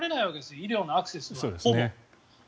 医療のアクセスが、ほぼ。